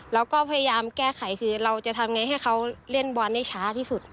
เราก็พยายามแก้ไขคือเราจะทำไงให้เขาเล่นบอลได้ช้าที่สุด